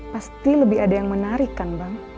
pasti lebih ada yang menarik kan bang